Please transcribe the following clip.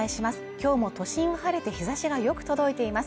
今日も都心は晴れて日差しがよく届いています